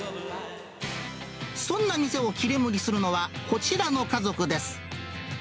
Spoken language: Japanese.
そんな店を切り盛りするのは、こちらの家族です。